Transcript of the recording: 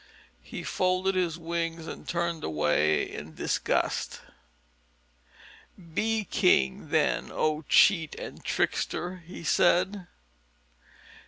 He folded his wings and turned away in disgust. "Be king, then, O cheat and trickster!" he said.